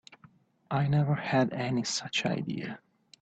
I never had any such idea.